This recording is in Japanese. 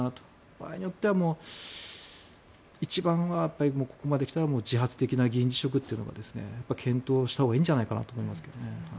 場合によっては一番はここまで来たら自発的な議員辞職というのを検討したほうがいいんじゃないかなと思いますけどね。